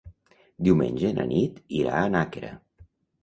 Diumenge na Nit irà a Nàquera.